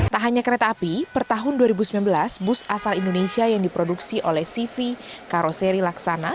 tak hanya kereta api per tahun dua ribu sembilan belas bus asal indonesia yang diproduksi oleh cv karoseri laksana